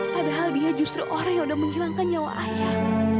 padahal dia justru orang yang udah menghilangkan nyawa ayah